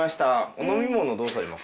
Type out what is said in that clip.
お飲み物どうされます？